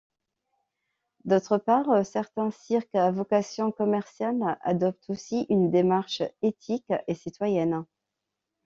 D'autre part, certains cirques à vocation commerciale adoptent aussi une démarche éthique et citoyenne.